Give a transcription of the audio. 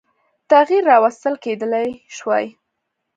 تغییر راوستل کېدلای شوای.